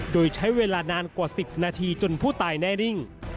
โดยใช้เวลานานกว่า๑๐นาทีจนผู้ตายแน่นิ่ง